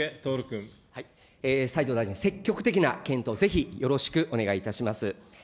斉藤大臣、積極的な検討をぜひよろしくお願いいたします。